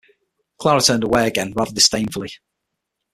Clara turned away again rather disdainfully.